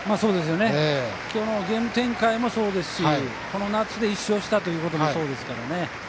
今日のゲーム展開もそうですしこの夏で１勝したということもそうですよね。